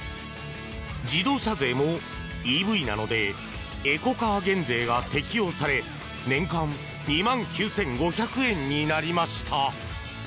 自動車税もＥＶなのでエコカー減税が適用され年間２万９５００円になりました。